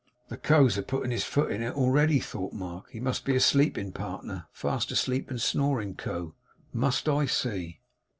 'The Co.'s a putting his foot in it already,' thought Mark. 'He must be a sleeping partner fast asleep and snoring Co. must; I see.